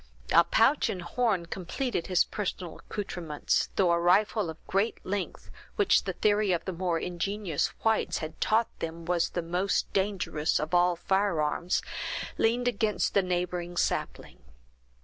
A pouch and horn completed his personal accouterments, though a rifle of great length, which the theory of the more ingenious whites had taught them was the most dangerous of all firearms, leaned against a neighboring sapling.